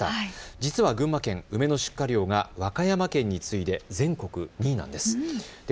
実は群馬県、梅の出荷量が和歌山県に次いで全国２位なんです。